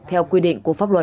theo quy định của pháp luật